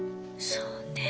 そうね。